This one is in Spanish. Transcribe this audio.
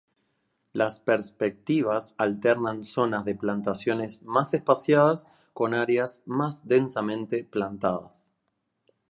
Las perspectivas alternan zonas de plantaciones más espaciadas con áreas más densamente plantadas.